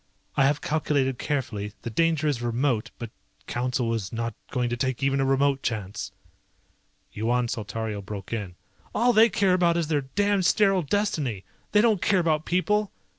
I have calculated carefully, the danger is remote, but Council is not going to take even a remote chance." Yuan Saltario broke in. "All they care about is their damned sterile destiny! They don't care about people.